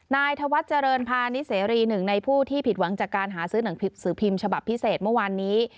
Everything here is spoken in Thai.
นายธวัฒน์เจริญพาณิเสรีหนึ่งในผู้ที่ผิดหวังจากการหาซื้อหนังสือพิมพ์ฉบับพิเศษเมื่อวานนี้